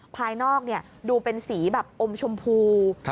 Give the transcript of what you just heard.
ภายนอกดูเป็นสีแบบอมชมพู